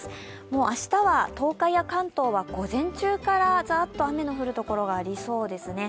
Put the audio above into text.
もう明日は東海や関東は午前中からザーッと雨の降る所がありそうですね。